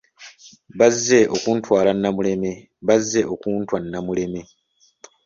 Bazze okuntwala Namuleme, bazze okuntwaa Namuleme